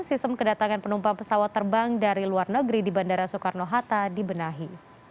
sistem kedatangan penumpang pesawat terbang dari luar negeri di bandara soekarno hatta dibenahi